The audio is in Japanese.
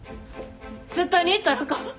絶対に行ったらあかん。